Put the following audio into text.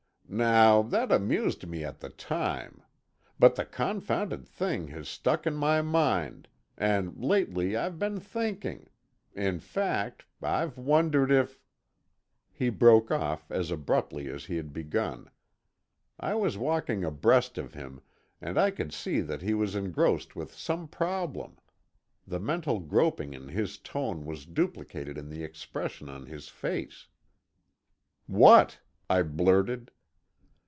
"Now, that amused me at the time. But the confounded thing has stuck in my mind, and lately I've been thinking—in fact, I've wondered if——" He broke off as abruptly as he had begun. I was walking abreast of him, and I could see that he was engrossed with some problem; the mental groping in his tone was duplicated in the expression on his face. "What?" I blurted.